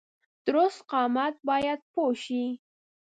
درست قام باید پوه شي